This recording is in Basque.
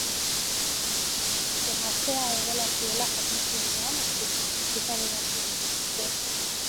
Emaztea ebola zuela jakin zenean ospitaleratu zuten.